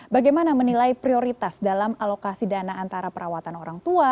bagaimana menilai prioritas dalam alokasi dana antara perawatan orang tua